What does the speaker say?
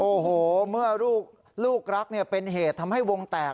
โอ้โหเมื่อลูกรักเป็นเหตุทำให้วงแตก